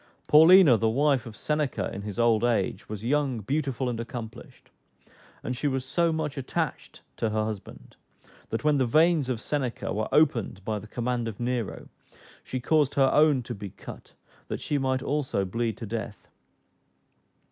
Paulina the wife of Seneca in his old age, was young, beautiful, and accomplished; and she was so much attached to her husband, that when the veins of Seneca were opened by the command of Nero, she caused her own to be cut, that she might also bleed to death.